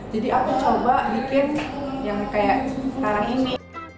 jadi aku coba bikin yang kayak sekarang ini